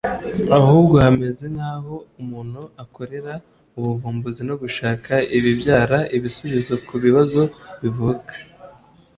ahubwo hameze nk’aho umuntu akorera ubuvumbuzi no gushaka ibibyara ibisubizo ku bibazo bivuka